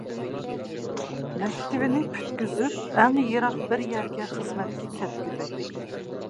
مەكتىپىنى پۈتكۈزۈپ ئەڭ يىراق بىر يەرگە خىزمەتكە كەتكۈدەك.